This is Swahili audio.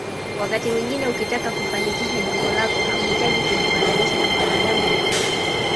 Wakati mwingine ukitaka kufanikisha jambo lako hauhitaji kujifananisha na mwanadamu mwingine